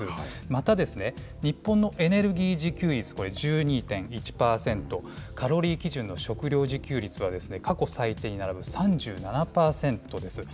またですね、日本のエネルギー自給率１２．１％、カロリー基準の食料自給率は、過去最低に並ぶ３７％です。